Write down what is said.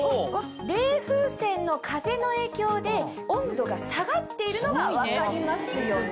冷風扇の風の影響で温度が下がっているのが分かりますよね。